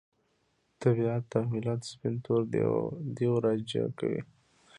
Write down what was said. طبیعت تحولات سپین تور دېو راجع کوي.